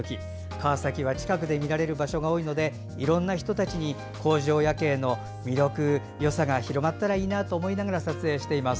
川崎は近くで見られる場所が多いので、いろんな人たちに工場夜景の魅力、よさが広がったらいいなと思って撮影しています。